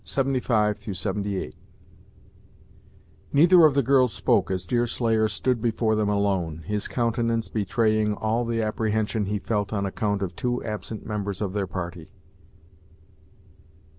vii,75 78 Neither of the girls spoke as Deerslayer stood before them alone, his countenance betraying all the apprehension he felt on account of two absent members of their party.